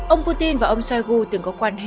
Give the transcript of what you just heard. ông putin và ông shoigu từng có quan hệ